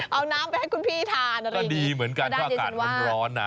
เอาน้ำไปให้คุณพี่ทานอะไรก็ดีเหมือนกันนะอากาศมันร้อนนะ